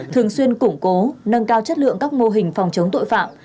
thường xuyên củng cố nâng cao chất lượng các mô hình phòng chống tội phạm